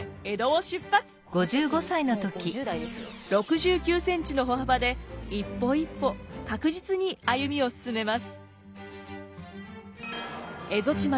６９センチの歩幅で一歩一歩確実に歩みを進めます。